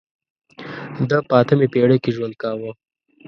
ده په اتمې پېړۍ کې ژوند کاوه.